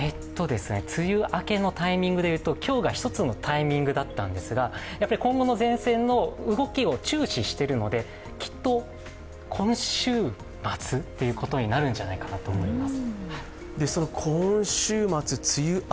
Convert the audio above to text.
梅雨明けのタイミングで言うと今日が一つのタイミングだったんですが、今後の前線の動きを注視してるのできっと今週末ということになるんじゃないかなと思います。